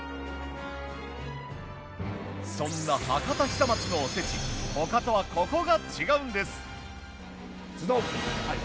そんな博多久松のおせち他とはココが違うんです。